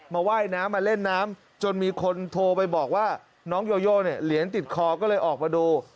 ว่ายน้ำมาเล่นน้ำจนมีคนโทรไปบอกว่าน้องโยโยเนี่ยเหรียญติดคอก็เลยออกมาดู